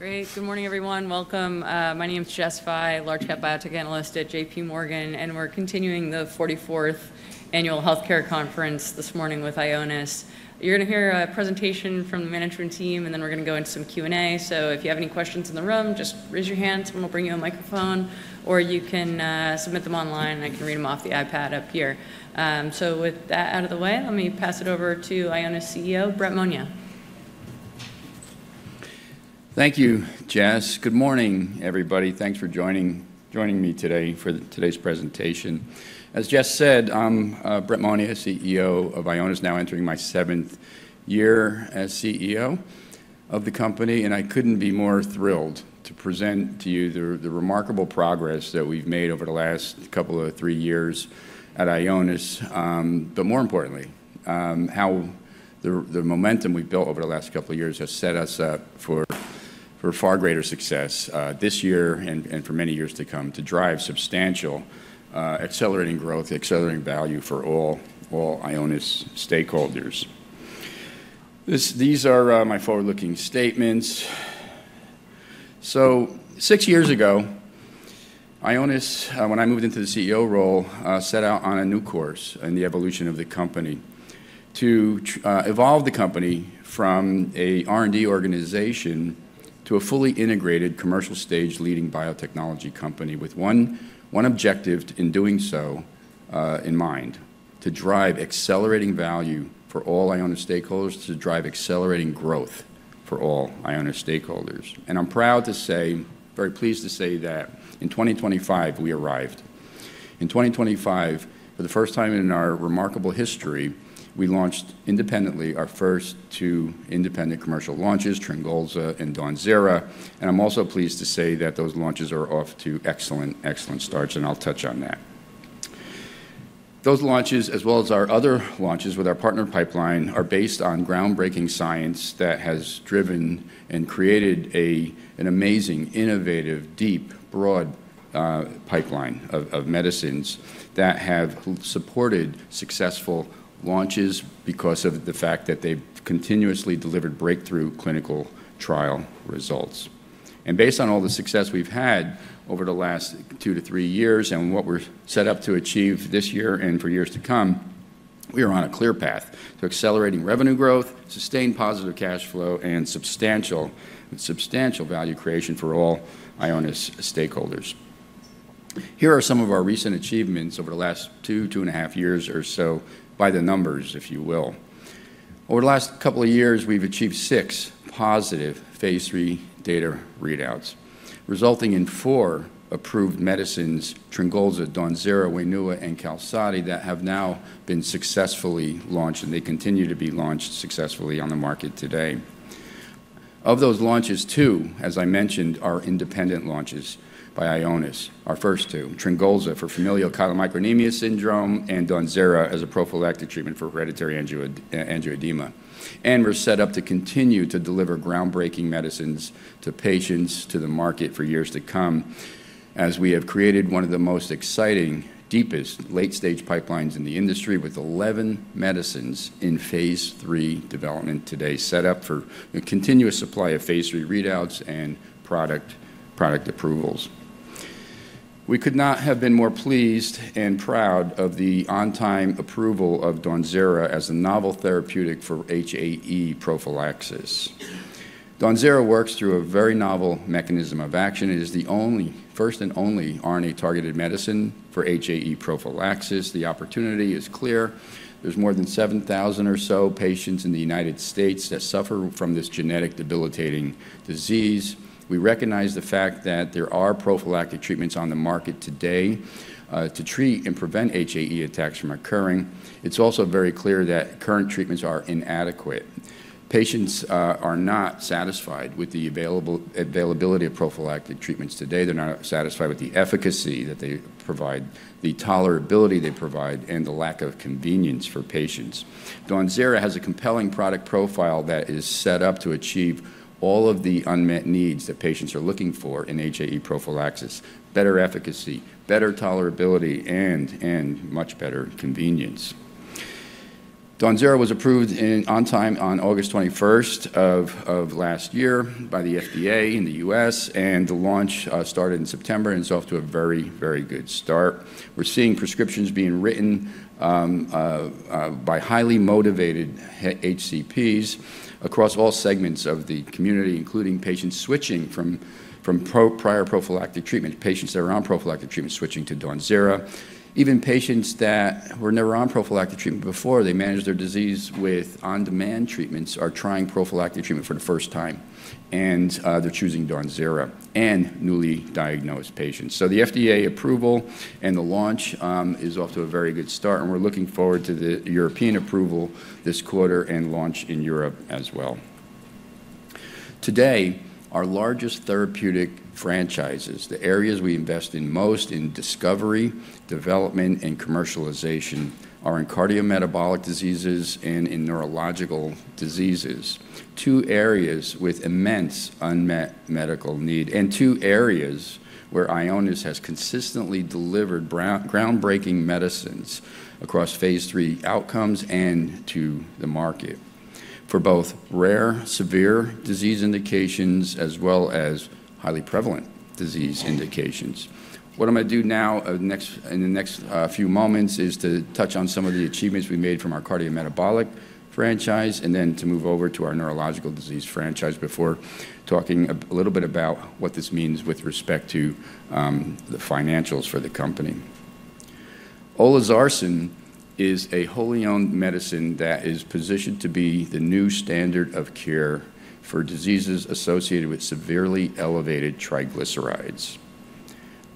Great. Good morning, everyone. Welcome. My name's Jessica Fye, Large Cap Biotech Analyst at J.P. Morgan, and we're continuing the 44th Annual Healthcare Conference this morning with Ionis. You're going to hear a presentation from the management team, and then we're going to go into some Q&A. So if you have any questions in the room, just raise your hands, and we'll bring you a microphone, or you can submit them online, and I can read them off the iPad up here. So with that out of the way, let me pass it over to Ionis CEO, Brett Monia. Thank you, Jess. Good morning, everybody. Thanks for joining me today for today's presentation. As Jess said, I'm Brett Monia, CEO of Ionis, now entering my seventh year as CEO of the company, and I couldn't be more thrilled to present to you the remarkable progress that we've made over the last couple or three years at Ionis. But more importantly, how the momentum we've built over the last couple of years has set us up for far greater success this year and for many years to come to drive substantial accelerating growth, accelerating value for all Ionis stakeholders. These are my forward-looking statements. So six years ago, Ionis, when I moved into the CEO role, set out on a new course in the evolution of the company to evolve the company from an R&D organization to a fully integrated commercial stage leading biotechnology company with one objective in doing so in mind: to drive accelerating value for all Ionis stakeholders, to drive accelerating growth for all Ionis stakeholders. And I'm proud to say, very pleased to say that in 2025, we arrived. In 2025, for the first time in our remarkable history, we launched independently our first two independent commercial launches, Tringulza and Donzera. And I'm also pleased to say that those launches are off to excellent, excellent starts, and I'll touch on that. Those launches, as well as our other launches with our partner pipeline, are based on groundbreaking science that has driven and created an amazing, innovative, deep, broad pipeline of medicines that have supported successful launches because of the fact that they've continuously delivered breakthrough clinical trial results, and based on all the success we've had over the last two to three years and what we're set up to achieve this year and for years to come, we are on a clear path to accelerating revenue growth, sustained positive cash flow, and substantial value creation for all Ionis stakeholders. Here are some of our recent achievements over the last two, two and a half years or so by the numbers, if you will. Over the last couple of years, we've achieved six positive Phase III data readouts, resulting in four approved medicines: Tringulza, Donzera, Wainua, and Qalsody, that have now been successfully launched, and they continue to be launched successfully on the market today. Of those launches, two, as I mentioned, are independent launches by Ionis, our first two: Tringulza for familial chylomicronemia syndrome and Donzera as a prophylactic treatment for hereditary angioedema. And we're set up to continue to deliver groundbreaking medicines to patients, to the market for years to come, as we have created one of the most exciting, deepest late-stage pipelines in the industry with 11 medicines in Phase III development today, set up for a continuous supply of Phase III readouts and product approvals. We could not have been more pleased and proud of the on-time approval of Donzera as a novel therapeutic for HAE prophylaxis. Donidalorsen works through a very novel mechanism of action. It is the first and only RNA-targeted medicine for HAE prophylaxis. The opportunity is clear. There's more than 7,000 or so patients in the United States that suffer from this genetic debilitating disease. We recognize the fact that there are prophylactic treatments on the market today to treat and prevent HAE attacks from occurring. It's also very clear that current treatments are inadequate. Patients are not satisfied with the availability of prophylactic treatments today. They're not satisfied with the efficacy that they provide, the tolerability they provide, and the lack of convenience for patients. Donidalorsen has a compelling product profile that is set up to achieve all of the unmet needs that patients are looking for in HAE prophylaxis: better efficacy, better tolerability, and much better convenience. Donzera was approved on time on August 21st of last year by the FDA in the US, and the launch started in September and is off to a very, very good start. We're seeing prescriptions being written by highly motivated HCPs across all segments of the community, including patients switching from prior prophylactic treatment, patients that are on prophylactic treatment switching to Donzera, even patients that were never on prophylactic treatment before. They manage their disease with on-demand treatments, are trying prophylactic treatment for the first time, and they're choosing Donzera and newly diagnosed patients. So the FDA approval and the launch is off to a very good start, and we're looking forward to the European approval this quarter and launch in Europe as well. Today, our largest therapeutic franchises, the areas we invest in most in discovery, development, and commercialization, are in cardiometabolic diseases and in neurological diseases, two areas with immense unmet medical need and two areas where Ionis has consistently delivered groundbreaking medicines across Phase III outcomes and to the market for both rare, severe disease indications as well as highly prevalent disease indications. What I'm going to do now in the next few moments is to touch on some of the achievements we made from our cardiometabolic franchise and then to move over to our neurological disease franchise before talking a little bit about what this means with respect to the financials for the company. Olezarsen is a wholly owned medicine that is positioned to be the new standard of care for diseases associated with severely elevated triglycerides,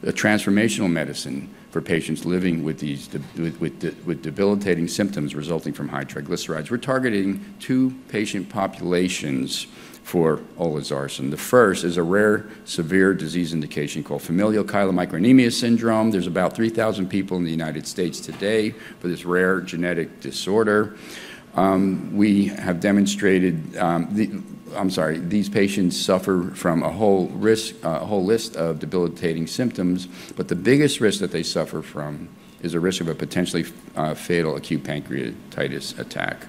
a transformational medicine for patients living with debilitating symptoms resulting from high triglycerides. We're targeting two patient populations for Olezarsen. The first is a rare, severe disease indication called familial chylomicronemia syndrome. There's about 3,000 people in the United States today for this rare genetic disorder. We have demonstrated. I'm sorry, these patients suffer from a whole list of debilitating symptoms, but the biggest risk that they suffer from is a risk of a potentially fatal acute pancreatitis attack.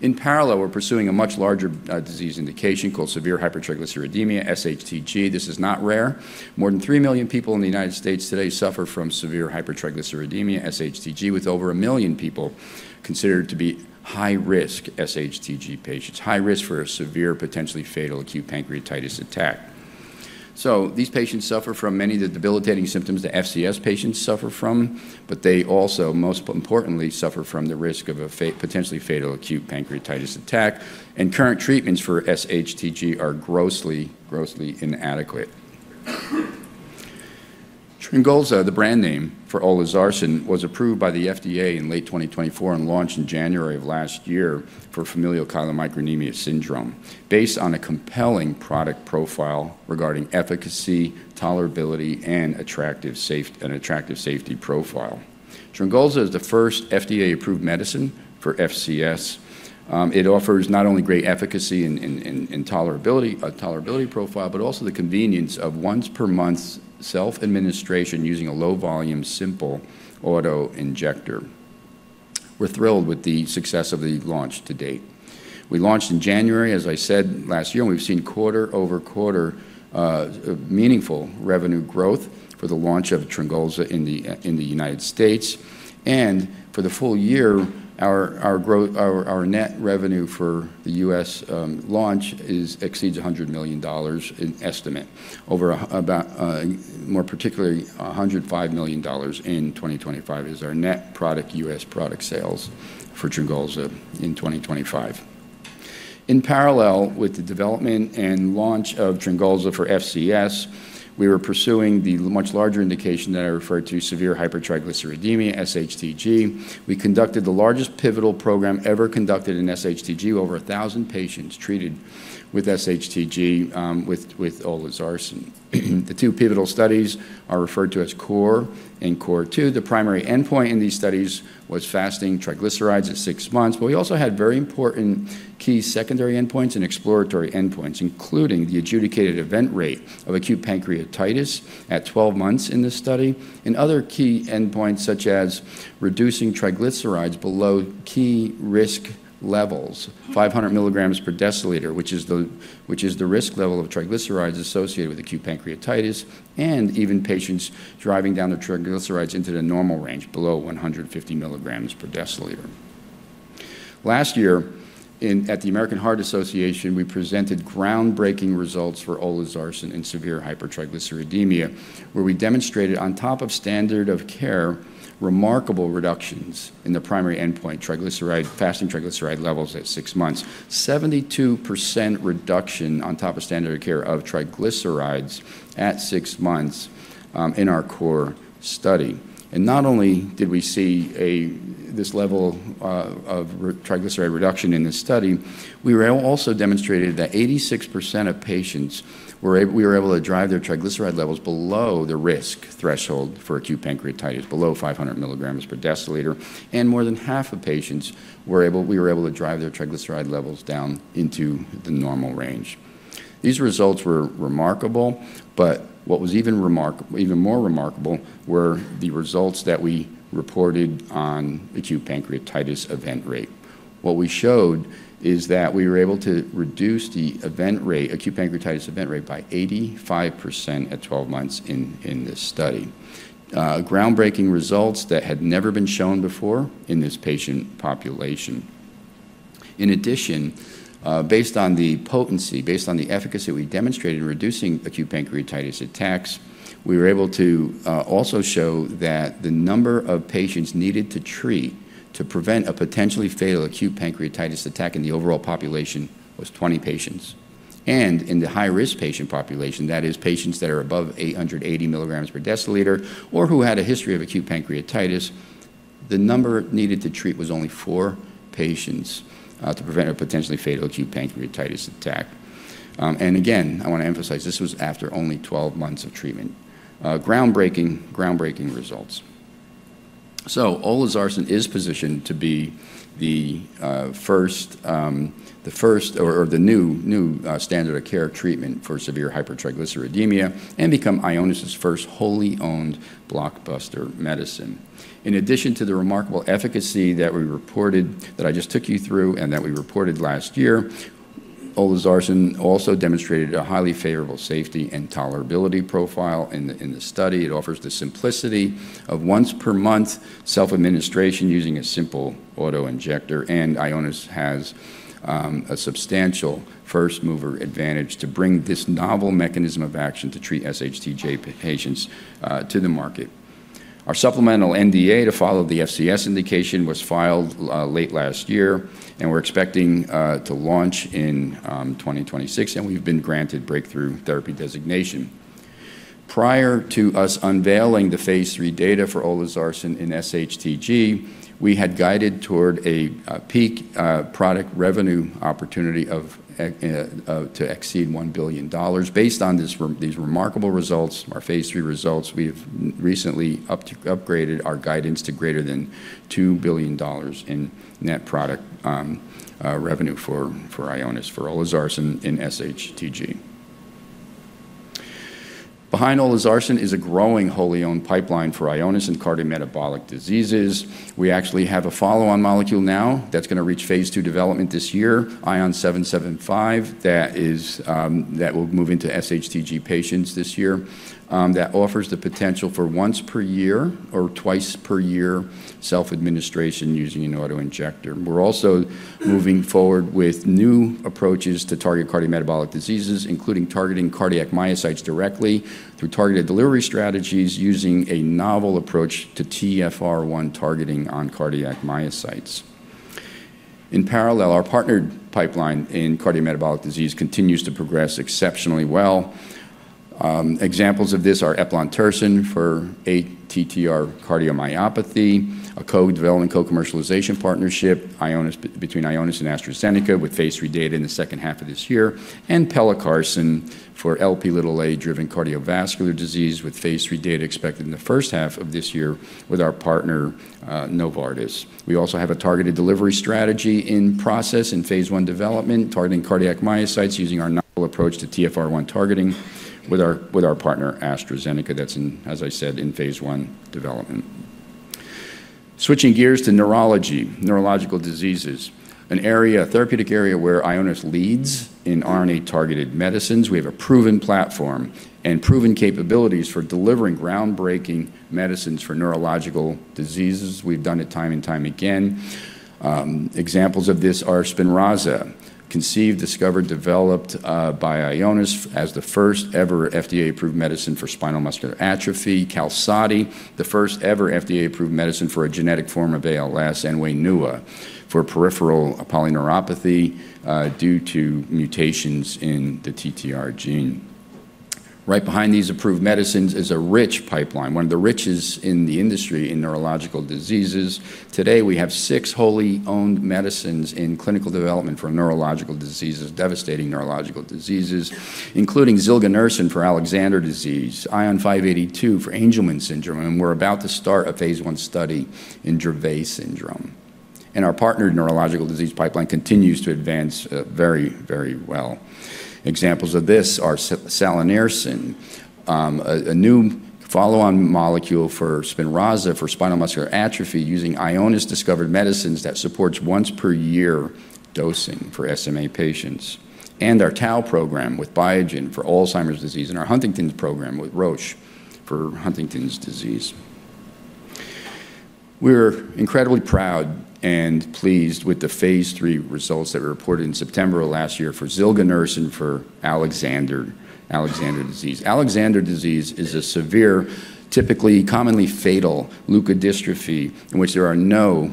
In parallel, we're pursuing a much larger disease indication called severe hypertriglyceridemia, SHTG. This is not rare. More than 3 million people in the United States today suffer from severe hypertriglyceridemia, SHTG, with over 1 million people considered to be high-risk SHTG patients, high risk for a severe, potentially fatal acute pancreatitis attack. These patients suffer from many of the debilitating symptoms that FCS patients suffer from, but they also, most importantly, suffer from the risk of a potentially fatal acute pancreatitis attack, and current treatments for SHTG are grossly, grossly inadequate. Tringulza, the brand name for Olezarsen, was approved by the FDA in late 2024 and launched in January of last year for familial chylomicronemia syndrome, based on a compelling product profile regarding efficacy, tolerability, and attractive safety profile. Tringulza is the first FDA-approved medicine for FCS. It offers not only great efficacy and tolerability profile, but also the convenience of once-per-month self-administration using a low-volume, simple autoinjector. We're thrilled with the success of the launch to date. We launched in January, as I said, last year, and we've seen quarter-over-quarter meaningful revenue growth for the launch of Tringulza in the United States. For the full year, our net revenue for the U.S. launch exceeds $100 million in estimate. More particularly, $105 million in 2025 is our net product U.S. product sales for Tringulza in 2025. In parallel with the development and launch of Tringulza for FCS, we were pursuing the much larger indication that I referred to, severe hypertriglyceridemia, SHTG. We conducted the largest pivotal program ever conducted in SHTG, over 1,000 patients treated with SHTG with Olezarsen. The two pivotal studies are referred to as CORE and CORE 2. The primary endpoint in these studies was fasting triglycerides at six months, but we also had very important key secondary endpoints and exploratory endpoints, including the adjudicated event rate of acute pancreatitis at 12 months in this study and other key endpoints such as reducing triglycerides below key risk levels, 500 milligrams per deciliter, which is the risk level of triglycerides associated with acute pancreatitis and even patients driving down their triglycerides into the normal range below 150 milligrams per deciliter. Last year, at the American Heart Association, we presented groundbreaking results for Olezarsen and severe hypertriglyceridemia, where we demonstrated, on top of standard of care, remarkable reductions in the primary endpoint, fasting triglyceride levels at six months, 72% reduction on top of standard of care of triglycerides at six months in our CORE study. Not only did we see this level of triglyceride reduction in this study, we also demonstrated that 86% of patients were able to drive their triglyceride levels below the risk threshold for acute pancreatitis, below 500 milligrams per deciliter, and more than half of patients we were able to drive their triglyceride levels down into the normal range. These results were remarkable, but what was even more remarkable were the results that we reported on acute pancreatitis event rate. What we showed is that we were able to reduce the acute pancreatitis event rate by 85% at 12 months in this study, groundbreaking results that had never been shown before in this patient population. In addition, based on the potency, based on the efficacy we demonstrated in reducing acute pancreatitis attacks, we were able to also show that the number of patients needed to treat to prevent a potentially fatal acute pancreatitis attack in the overall population was 20 patients, and in the high-risk patient population, that is, patients that are above 880 milligrams per deciliter or who had a history of acute pancreatitis, the number needed to treat was only four patients to prevent a potentially fatal acute pancreatitis attack, and again, I want to emphasize this was after only 12 months of treatment, groundbreaking results, so Olezarsen is positioned to be the first or the new standard of care treatment for severe hypertriglyceridemia and become Ionis's first wholly owned blockbuster medicine. In addition to the remarkable efficacy that we reported that I just took you through and that we reported last year, Olezarsen also demonstrated a highly favorable safety and tolerability profile in the study. It offers the simplicity of once-per-month self-administration using a simple autoinjector, and Ionis has a substantial first-mover advantage to bring this novel mechanism of action to treat SHTG patients to the market. Our supplemental NDA to follow the FCS indication was filed late last year, and we're expecting to launch in 2026, and we've been granted breakthrough therapy designation. Prior to us unveiling the Phase III data for Olezarsen and SHTG, we had guided toward a peak product revenue opportunity to exceed $1 billion. Based on these remarkable results, our Phase III results, we've recently upgraded our guidance to greater than $2 billion in net product revenue for Ionis for Olezarsen and SHTG. Behind Olezarsen is a growing wholly owned pipeline for Ionis and cardiometabolic diseases. We actually have a follow-on molecule now that's going to reach Phase II development this year, ION 775, that will move into SHTG patients this year that offers the potential for once-per-year or twice-per-year self-administration using an autoinjector. We're also moving forward with new approaches to target cardiometabolic diseases, including targeting cardiac myocytes directly through targeted delivery strategies using a novel approach to TfR1 targeting on cardiac myocytes. In parallel, our partner pipeline in cardiometabolic disease continues to progress exceptionally well. Examples of this are Eplontersen for ATTR cardiomyopathy, a co-development, co-commercialization partnership between Ionis and AstraZeneca with Phase III data in the second half of this year, and Pelacarsen for Lp(a) driven cardiovascular disease with Phase III data expected in the first half of this year with our partner Novartis. We also have a targeted delivery strategy in process in Phase I development targeting cardiac myocytes using our novel approach to TfR1 targeting with our partner AstraZeneca that's, as I said, in Phase I development. Switching gears to neurology, neurological diseases, an area, a therapeutic area where Ionis leads in RNA-targeted medicines. We have a proven platform and proven capabilities for delivering groundbreaking medicines for neurological diseases. We've done it time and time again. Examples of this are Spinraza, conceived, discovered, developed by Ionis as the first-ever FDA-approved medicine for spinal muscular atrophy; Qalsody, the first-ever FDA-approved medicine for a genetic form of ALS; and Wainua for peripheral polyneuropathy due to mutations in the TTR gene. Right behind these approved medicines is a rich pipeline, one of the richest in the industry in neurological diseases. Today, we have six wholly owned medicines in clinical development for neurological diseases, devastating neurological diseases, including Zolexarsen for Alexander disease, ION582 for Angelman syndrome, and we're about to start a phase one study in Dravet syndrome. Our partner neurological disease pipeline continues to advance very, very well. Examples of this are Salanersen, a new follow-on molecule for Spinraza for spinal muscular atrophy using Ionis discovered medicines that supports once-per-year dosing for SMA patients, and our tau program with Biogen for Alzheimer's disease and our Huntington's program with Roche for Huntington's disease. We're incredibly proud and pleased with the Phase III results that were reported in September of last year for Zolexarsen for Alexander disease. Alexander disease is a severe, typically, commonly fatal leukodystrophy in which there are no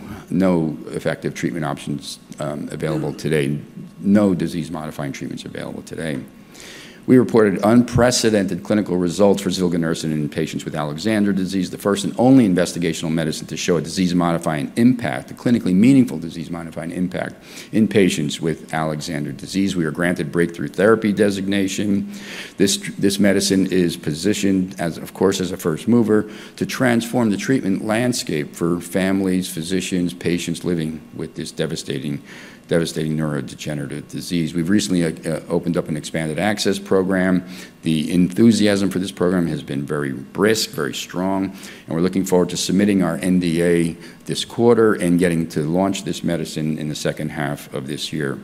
effective treatment options available today, no disease-modifying treatments available today. We reported unprecedented clinical results for Zolexarsen in patients with Alexander disease, the first and only investigational medicine to show a disease-modifying impact, a clinically meaningful disease-modifying impact in patients with Alexander disease. We were granted breakthrough therapy designation. This medicine is positioned, of course, as a first mover to transform the treatment landscape for families, physicians, patients living with this devastating neurodegenerative disease. We've recently opened up an expanded access program. The enthusiasm for this program has been very brisk, very strong, and we're looking forward to submitting our NDA this quarter and getting to launch this medicine in the second half of this year.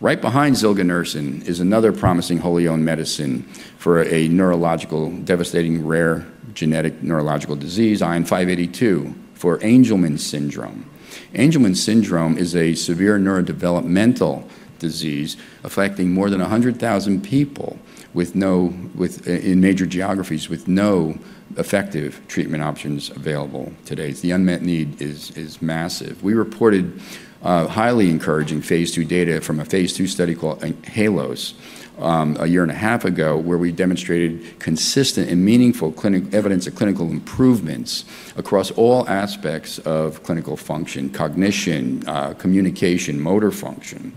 Right behind Zolexarsen is another promising wholly owned medicine for a neurological, devastating, rare genetic neurological disease, ION582, for Angelman syndrome. Angelman syndrome is a severe neurodevelopmental disease affecting more than 100,000 people in major geographies with no effective treatment options available today. The unmet need is massive. We reported highly encouraging Phase II data from a Phase II study called HALOS a year and a half ago where we demonstrated consistent and meaningful evidence of clinical improvements across all aspects of clinical function, cognition, communication, motor function.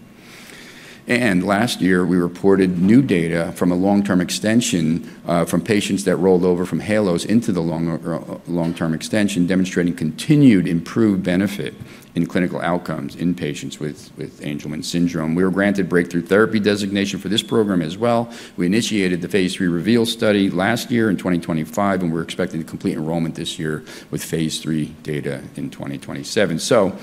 And last year, we reported new data from a long-term extension from patients that rolled over from HALOS into the long-term extension, demonstrating continued improved benefit in clinical outcomes in patients with Angelman syndrome. We were granted Breakthrough Therapy designation for this program as well. We initiated the Phase III REVEAL study last year in 2025, and we're expecting complete enrollment this year with Phase III data in 2027. So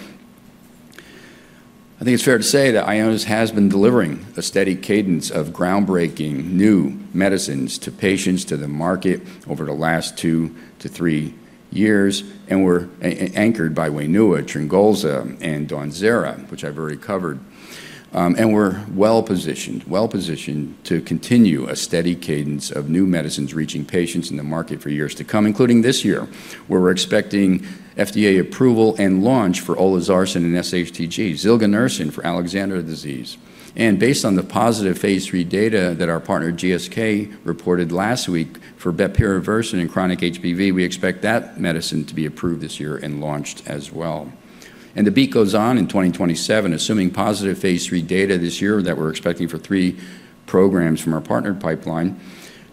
I think it's fair to say that Ionis has been delivering a steady cadence of groundbreaking new medicines to patients, to the market over the last two to three years, and we're anchored by Wainua, Tringulza, and Donzera, which I've already covered. And we're well positioned, well positioned to continue a steady cadence of new medicines reaching patients in the market for years to come, including this year where we're expecting FDA approval and launch for Olezarsen and SHTG, Zolexarsen for Alexander disease. And based on the positive Phase III data that our partner GSK reported last week for Bepirovirsen in chronic HBV, we expect that medicine to be approved this year and launched as well. And the beat goes on in 2027, assuming positive Phase III data this year that we're expecting for three programs from our partner pipeline.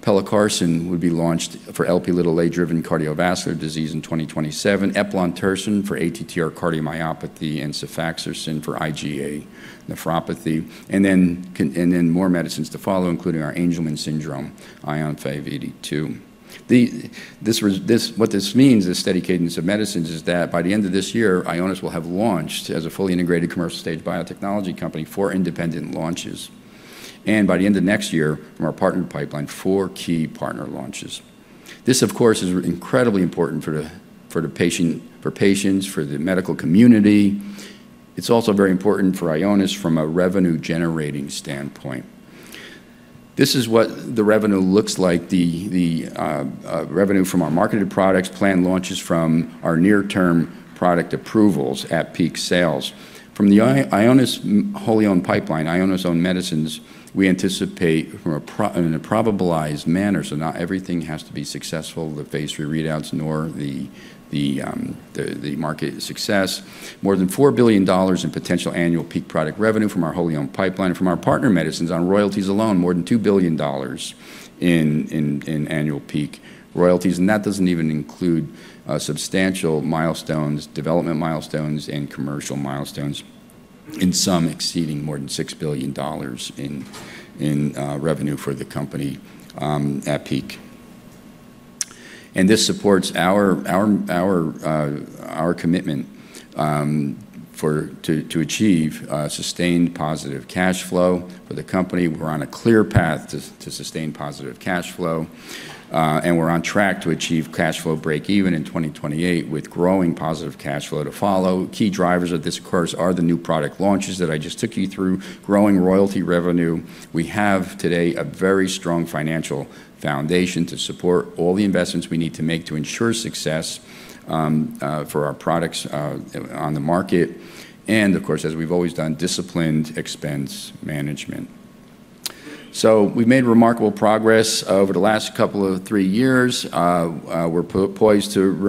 Pelacarsen would be launched for Lp(a)-driven cardiovascular disease in 2027, Eplontersen for ATTR cardiomyopathy, and Cefaxersen for IgA nephropathy, and then more medicines to follow, including our Angelman syndrome, ION 582. What this means, the steady cadence of medicines, is that by the end of this year, Ionis will have launched as a fully integrated commercial stage biotechnology company for independent launches. And by the end of next year, from our partner pipeline, four key partner launches. This, of course, is incredibly important for the patients, for the medical community. It's also very important for Ionis from a revenue-generating standpoint. This is what the revenue looks like, the revenue from our marketed products, planned launches from our near-term product approvals at peak sales. From the Ionis wholly owned pipeline, Ionis owned medicines, we anticipate in a probabilistic manner, so not everything has to be successful, the Phase III readouts, nor the market success, more than $4 billion in potential annual peak product revenue from our wholly owned pipeline. From our partner medicines, on royalties alone, more than $2 billion in annual peak royalties, and that doesn't even include substantial milestones, development milestones, and commercial milestones, in sum exceeding more than $6 billion in revenue for the company at peak, and this supports our commitment to achieve sustained positive cash flow for the company. We're on a clear path to sustained positive cash flow, and we're on track to achieve cash flow break-even in 2028 with growing positive cash flow to follow. Key drivers of this, of course, are the new product launches that I just took you through, growing royalty revenue. We have today a very strong financial foundation to support all the investments we need to make to ensure success for our products on the market, and of course, as we've always done, disciplined expense management, so we've made remarkable progress over the last couple of three years. We're poised to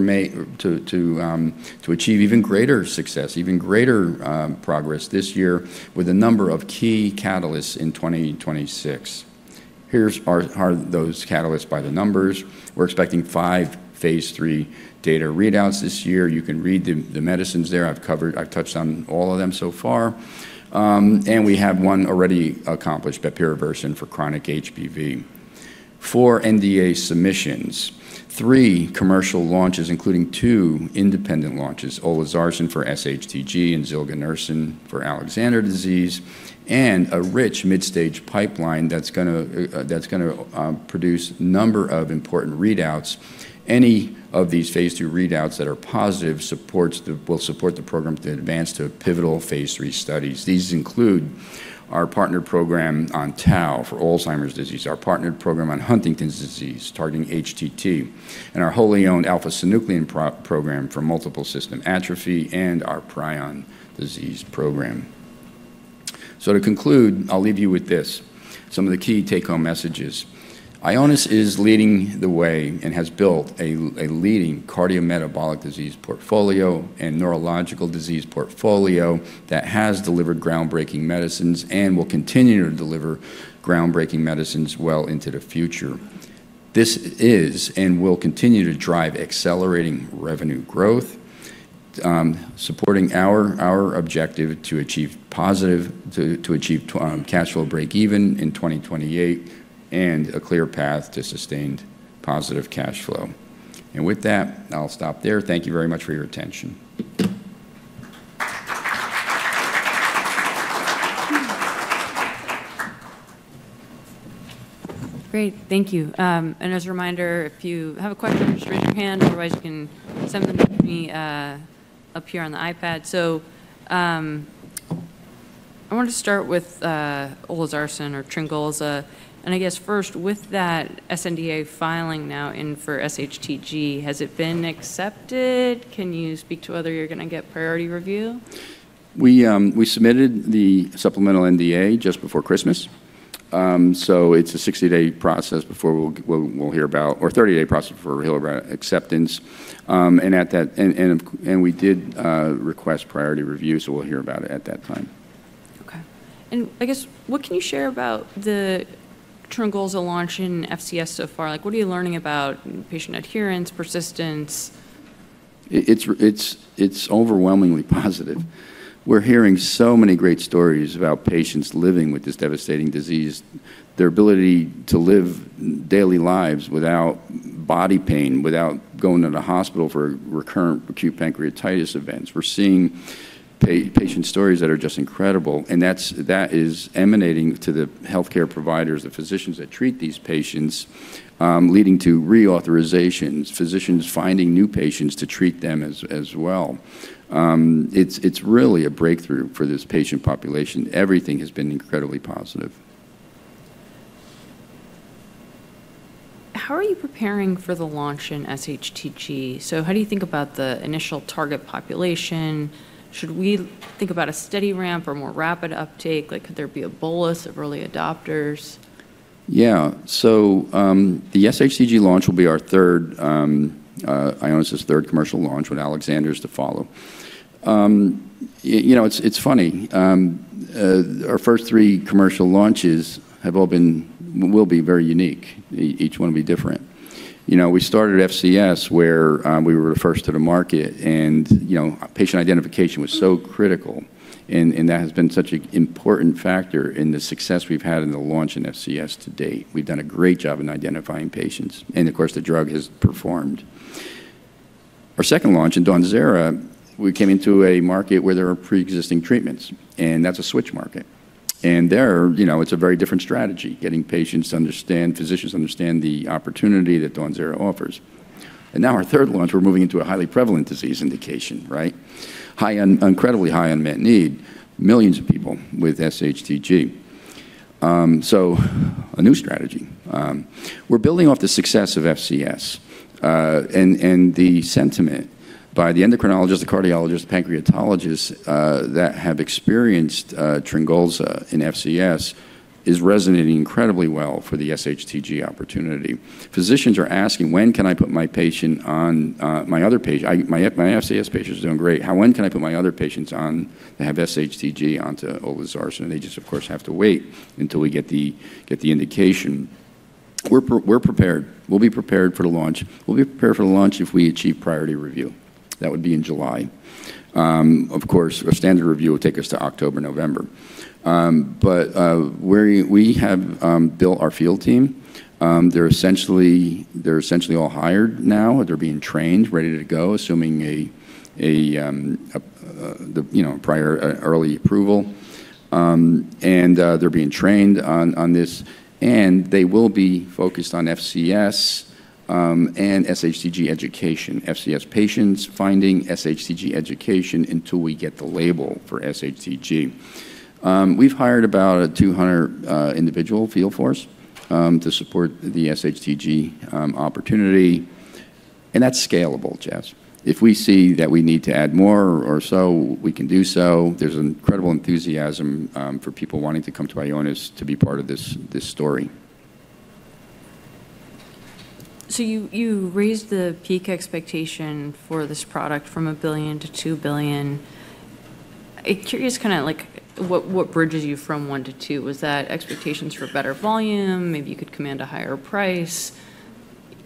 achieve even greater success, even greater progress this year with a number of key catalysts in 2026. Here are those catalysts by the numbers. We're expecting five Phase III data readouts this year. You can read the medicines there. I've touched on all of them so far, and we have one already accomplished, Bepirovirsen for chronic HBV. Four NDA submissions, three commercial launches, including two independent launches, Olezarsen for SHTG and Zolexarsen for Alexander disease, and a rich mid-stage pipeline that's going to produce a number of important readouts. Any of these Phase III readouts that are positive will support the program to advance to pivotal Phase III studies. These include our partner program on tau for Alzheimer's disease, our partner program on Huntington's disease targeting HTT, and our wholly owned alpha-synuclein program for multiple system atrophy and our prion disease program. So to conclude, I'll leave you with this, some of the key take-home messages. Ionis is leading the way and has built a leading cardiometabolic disease portfolio and neurological disease portfolio that has delivered groundbreaking medicines and will continue to deliver groundbreaking medicines well into the future. This is and will continue to drive accelerating revenue growth, supporting our objective to achieve positive, to achieve cash flow break-even in 2028 and a clear path to sustained positive cash flow. And with that, I'll stop there. Thank you very much for your attention. Great. Thank you. And as a reminder, if you have a question, just raise your hand. Otherwise, you can send them to me up here on the iPad. So I want to start with Olezarsen or Tringulza. And I guess first, with that sNDA filing now in for SHTG, has it been accepted? Can you speak to whether you're going to get priority review? We submitted the supplemental NDA just before Christmas, so it's a 60-day process before we'll hear about, or 30-day process before we'll hear about acceptance, and we did request priority review, so we'll hear about it at that time. Okay, and I guess, what can you share about the Tringulza launch in FCS so far? What are you learning about patient adherence, persistence? It's overwhelmingly positive. We're hearing so many great stories about patients living with this devastating disease, their ability to live daily lives without body pain, without going to the hospital for recurrent acute pancreatitis events. We're seeing patient stories that are just incredible, and that is emanating to the healthcare providers, the physicians that treat these patients, leading to reauthorizations, physicians finding new patients to treat them as well. It's really a breakthrough for this patient population. Everything has been incredibly positive. How are you preparing for the launch in SHTG? So how do you think about the initial target population? Should we think about a steady ramp or more rapid uptake? Could there be a bolus of early adopters? Yeah. So the SHTG launch will be our third, Ionis's third commercial launch, with Zolexarsen to follow. It's funny. Our first three commercial launches have all been, will be very unique. Each one will be different. We started FCS where we were the first to the market, and patient identification was so critical. And that has been such an important factor in the success we've had in the launch in FCS to date. We've done a great job in identifying patients. And of course, the drug has performed. Our second launch in Donzera, we came into a market where there are pre-existing treatments, and that's a switch market. And there, it's a very different strategy, getting patients to understand, physicians to understand the opportunity that Donzera offers. And now our third launch, we're moving into a highly prevalent disease indication, right? Incredibly high unmet need, millions of people with SHTG. So a new strategy. We're building off the success of FCS, and the sentiment by the endocrinologists, the cardiologists, the pancreatologists that have experienced Tringulza in FCS is resonating incredibly well for the SHTG opportunity. Physicians are asking, "When can I put my patient on my other patient? My FCS patient is doing great. When can I put my other patients on that have SHTG onto Olezarsen?" They just, of course, have to wait until we get the indication. We're prepared. We'll be prepared for the launch. We'll be prepared for the launch if we achieve priority review. That would be in July. Of course, a standard review will take us to October, November, but we have built our field team. They're essentially all hired now. They're being trained, ready to go, assuming a prior early approval, and they're being trained on this. They will be focused on FCS and SHTG education, FCS patients finding SHTG education until we get the label for SHTG. We've hired about 200 individual field force to support the SHTG opportunity. That's scalable, Jess. If we see that we need to add more or so, we can do so. There's an incredible enthusiasm for people wanting to come to Ionis to be part of this story. So you raised the peak expectation for this product from $1 billion–$2 billion. Curious kind of what bridges you from one to two? Was that expectations for better volume? Maybe you could command a higher price?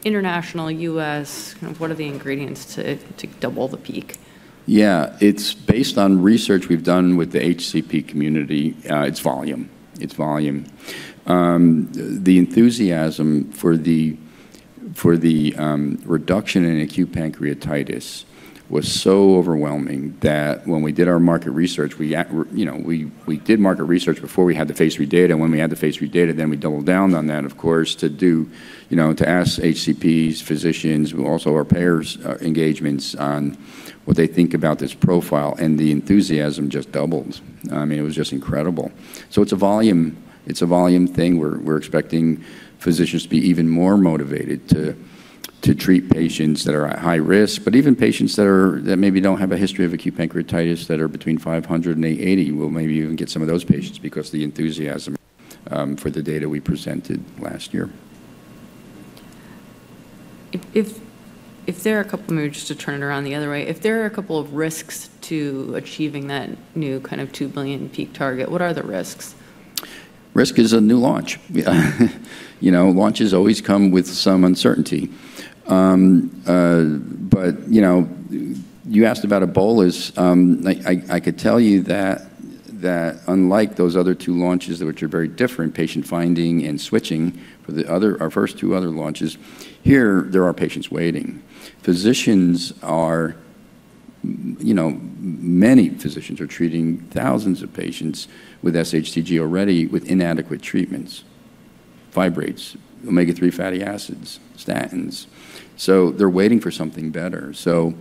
International, US, kind of what are the ingredients to double the peak? Yeah. It's based on research we've done with the HCP community. It's volume. It's volume. The enthusiasm for the reduction in acute pancreatitis was so overwhelming that when we did our market research, we did market research before we had the Phase III data. And when we had the Phase III data, then we doubled down on that, of course, to ask HCPs, physicians, also our payers' engagements on what they think about this profile. And the enthusiasm just doubled. I mean, it was just incredible. So it's a volume thing. We're expecting physicians to be even more motivated to treat patients that are at high risk, but even patients that maybe don't have a history of acute pancreatitis that are between 500 and 80. We'll maybe even get some of those patients because of the enthusiasm for the data we presented last year. If there are a couple of moves to turn it around the other way, if there are a couple of risks to achieving that new kind of 2 billion peak target, what are the risks? Risk is a new launch. Launches always come with some uncertainty. But you asked about a bolus. I could tell you that unlike those other two launches, which are very different, patient finding and switching for our first two other launches, here there are patients waiting. Physicians are, many physicians are treating thousands of patients with SHTG already with inadequate treatments, fibrates, omega-3 fatty acids, statins. So they're waiting for something better. So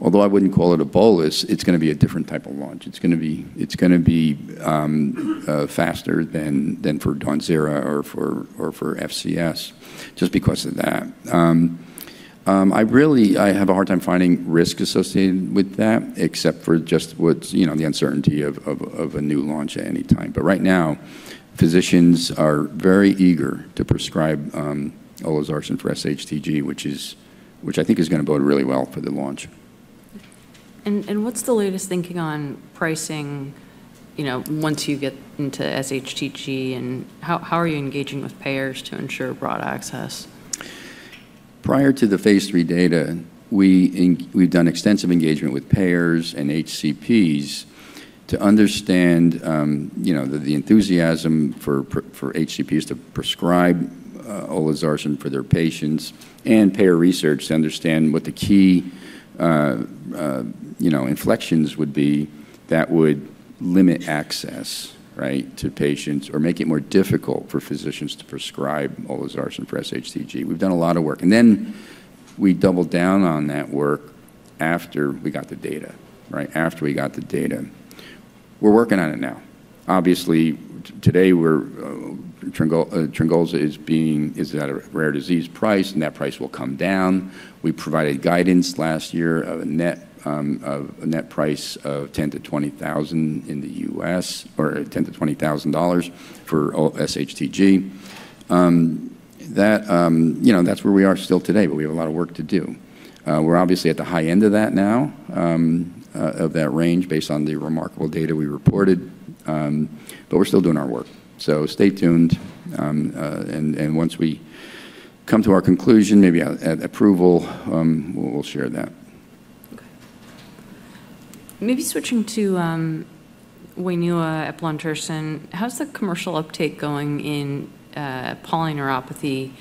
although I wouldn't call it a bolus, it's going to be a different type of launch. It's going to be faster than for Donzera or for FCS just because of that. I have a hard time finding risk associated with that, except for just the uncertainty of a new launch at any time. But right now, physicians are very eager to prescribe Olezarsen for SHTG, which I think is going to bode really well for the launch. And what's the latest thinking on pricing once you get into SHTG? And how are you engaging with payers to ensure broad access? Prior to the Phase III data, we've done extensive engagement with payers and HCPs to understand the enthusiasm for HCPs to prescribe Olezarsen for their patients and payer research to understand what the key inflections would be that would limit access to patients or make it more difficult for physicians to prescribe Olezarsen for SHTG. We've done a lot of work, and then we doubled down on that work after we got the data, after we got the data. We're working on it now. Obviously, today, Tringulza is at a rare disease price, and that price will come down. We provided guidance last year of a net price of $10,000–$20,000 in the U.S., or $10,000–$20,000 for SHTG. That's where we are still today, but we have a lot of work to do. We're obviously at the high end of that now, of that range based on the remarkable data we reported. But we're still doing our work. So stay tuned. And once we come to our conclusion, maybe approval, we'll share that. Okay. Maybe switching to Wainua, eplontersen, how's the commercial uptake going in polyneuropathy?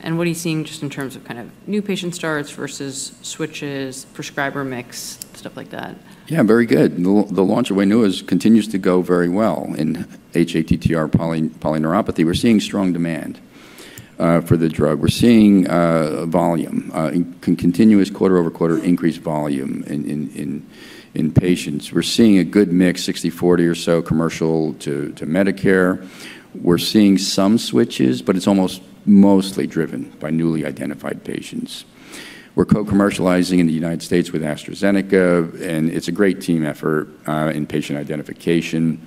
And what are you seeing just in terms of kind of new patient starts versus switches, prescriber mix, stuff like that? Yeah, very good. The launch of Wainua continues to go very well in hATTR polyneuropathy. We're seeing strong demand for the drug. We're seeing volume, continuous quarter-over-quarter increased volume in patients. We're seeing a good mix, 60/40 or so commercial to Medicare. We're seeing some switches, but it's almost mostly driven by newly identified patients. We're co-commercializing in the United States with AstraZeneca, and it's a great team effort in patient identification.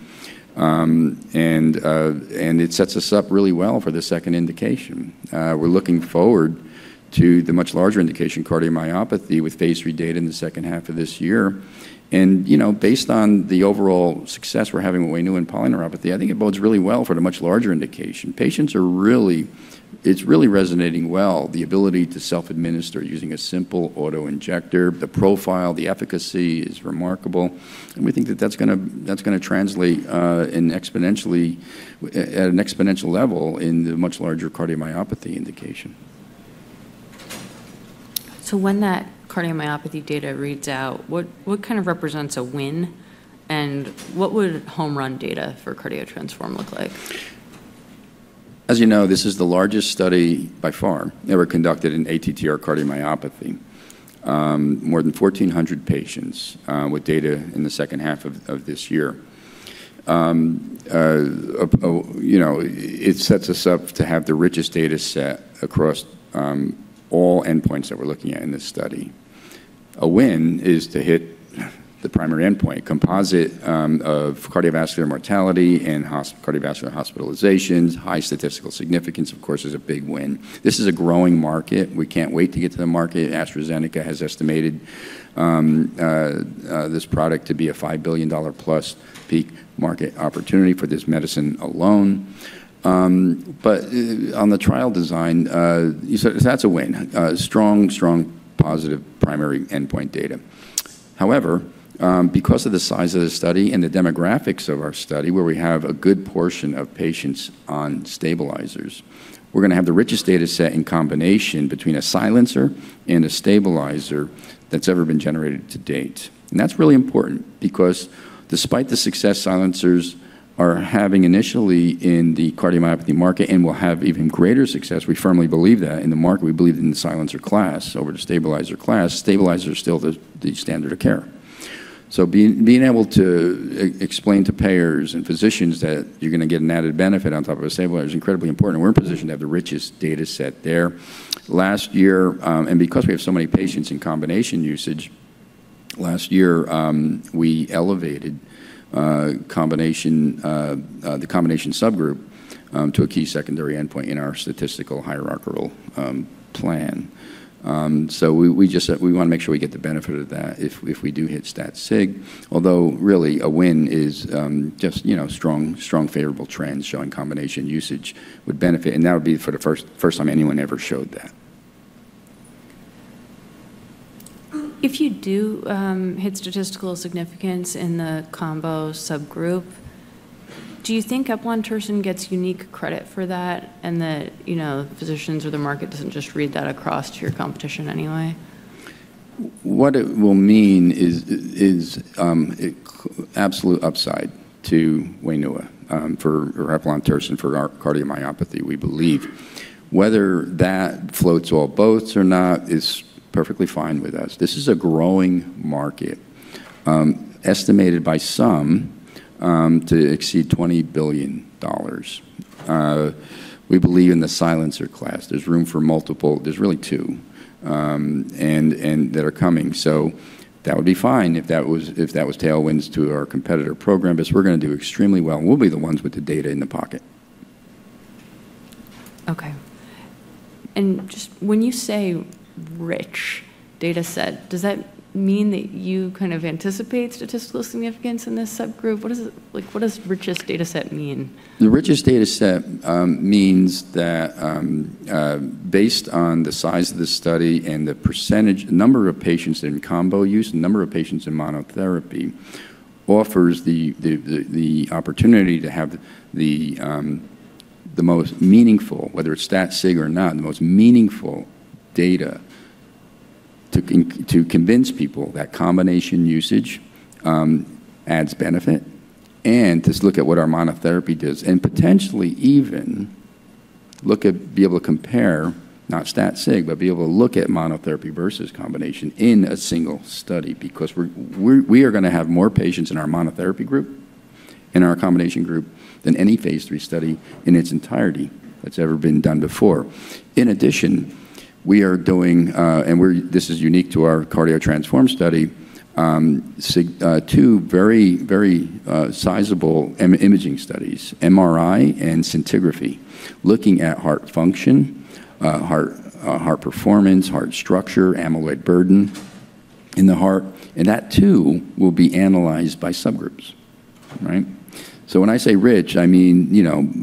And it sets us up really well for the second indication. We're looking forward to the much larger indication, cardiomyopathy, with Phase III data in the second half of this year. And based on the overall success we're having with Wainua and polyneuropathy, I think it bodes really well for the much larger indication. Patients are really, it's really resonating well, the ability to self-administer using a simple autoinjector. The profile, the efficacy is remarkable. We think that that's going to translate at an exponential level in the much larger cardiomyopathy indication. So when that cardiomyopathy data reads out, what kind of represents a win? And what would home run data for CARDIO-TTRansform look like? As you know, this is the largest study by far ever conducted in ATTR cardiomyopathy. More than 1,400 patients with data in the second half of this year. It sets us up to have the richest data set across all endpoints that we're looking at in this study. A win is to hit the primary endpoint, composite of cardiovascular mortality and cardiovascular hospitalizations. High statistical significance, of course, is a big win. This is a growing market. We can't wait to get to the market. AstraZeneca has estimated this product to be a $5 billion plus peak market opportunity for this medicine alone. But on the trial design, that's a win. Strong, strong positive primary endpoint data. However, because of the size of the study and the demographics of our study, where we have a good portion of patients on stabilizers, we're going to have the richest data set in combination between a silencer and a stabilizer that's ever been generated to date, and that's really important because despite the success silencers are having initially in the cardiomyopathy market and will have even greater success, we firmly believe that in the market, we believe in the silencer class over the stabilizer class. Stabilizers are still the standard of care, so being able to explain to payers and physicians that you're going to get an added benefit on top of a stabilizer is incredibly important. We're in position to have the richest data set there. Last year, and because we have so many patients in combination usage, last year we elevated the combination subgroup to a key secondary endpoint in our statistical hierarchical plan. So we want to make sure we get the benefit of that if we do hit stat sig. Although really a win is just strong, favorable trends showing combination usage would benefit, and that would be for the first time anyone ever showed that. If you do hit statistical significance in the combo subgroup, do you think Bluntursen gets unique credit for that and that physicians or the market doesn't just read that across to your competition anyway? What it will mean is absolute upside to Wainua or vutrisiran for cardiomyopathy, we believe. Whether that floats all boats or not is perfectly fine with us. This is a growing market, estimated by some to exceed $20 billion. We believe in the silencer class. There's room for multiple, there's really two, and that are coming. So that would be fine if that was tailwinds to our competitor program, because we're going to do extremely well and we'll be the ones with the data in the pocket. Okay. And just when you say rich data set, does that mean that you kind of anticipate statistical significance in this subgroup? What does richest data set mean? The richest data set means that based on the size of the study and the number of patients in combo use and number of patients in monotherapy offers the opportunity to have the most meaningful, whether it's stat sig or not, the most meaningful data to convince people that combination usage adds benefit. Just look at what our monotherapy does and potentially even look at, be able to compare, not stat sig, but be able to look at monotherapy versus combination in a single study because we are going to have more patients in our monotherapy group, in our combination group than any Phase III study in its entirety that's ever been done before. In addition, we are doing, and this is unique to our CardioTransform study, two very sizable imaging studies, MRI and scintigraphy, looking at heart function, heart performance, heart structure, amyloid burden in the heart. That too will be analyzed by subgroups. When I say rich, I mean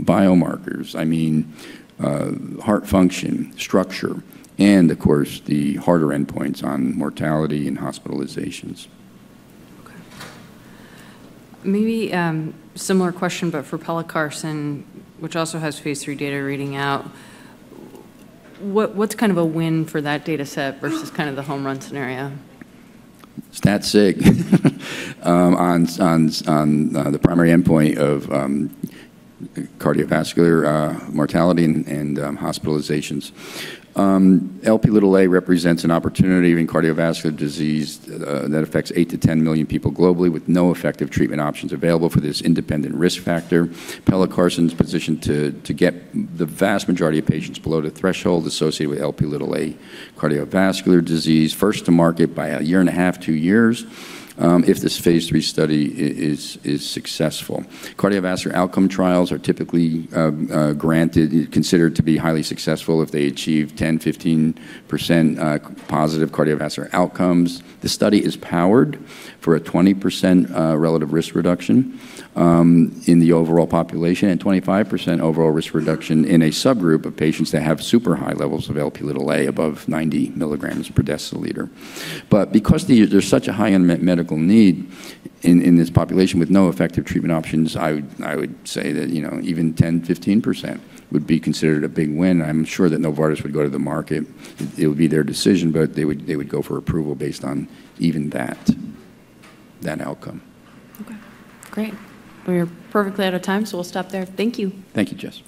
biomarkers, I mean heart function, structure, and of course the hard endpoints on mortality and hospitalizations. Okay. Maybe similar question, but for Pelacarsen, which also has Phase III data reading out, what's kind of a win for that data set versus kind of the home run scenario? Stat sig on the primary endpoint of cardiovascular mortality and hospitalizations. Lp(a) represents an opportunity in cardiovascular disease that affects 8–10 million people globally with no effective treatment options available for this independent risk factor. Pelacarsen is positioned to get the vast majority of patients below the threshold associated with Lp(a) cardiovascular disease, first to market by a year and a half, two years if this Phase III study is successful. Cardiovascular outcome trials are typically granted, considered to be highly successful if they achieve 10%–15% positive cardiovascular outcomes. The study is powered for a 20% relative risk reduction in the overall population and 25% overall risk reduction in a subgroup of patients that have super high levels of Lp(a) above 90 milligrams per deciliter. But because there's such a high unmet medical need in this population with no effective treatment options, I would say that even 10%-15% would be considered a big win. I'm sure that Novartis would go to the market. It would be their decision, but they would go for approval based on even that outcome. Okay. Great. We're perfectly out of time, so we'll stop there. Thank you. Thank you, Jess.